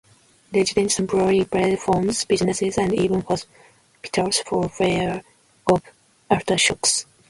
Residents temporarily fled homes, businesses, and even hospitals for fear of aftershocks.